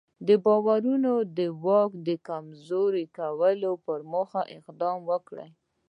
بارونیانو د واک د کمزوري کولو موخه اقدامات وکړل.